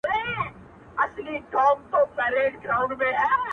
دا سـتـا پــه گـــل وجــود كـي گـلــه ټــپـــه،